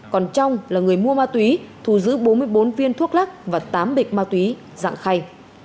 còn trong là người mua ma túy thu giữ bốn mươi bốn viên thuốc lắc và tám bịch ma túy dạng khay